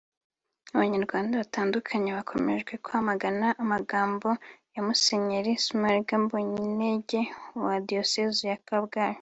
Abanyarwanda batandukante bakomeje kwamagana amagambo ya Musenyeri Smaragde Mbonyintege wa Diyoseze ya Kabgayi